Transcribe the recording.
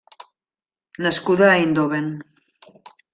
Nascuda a Eindhoven.